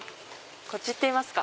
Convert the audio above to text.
こっち行ってみますか。